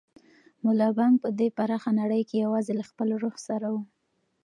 ملا بانګ په دې پراخه نړۍ کې یوازې له خپل روح سره و.